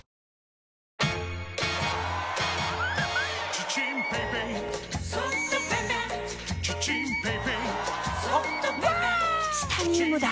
チタニウムだ！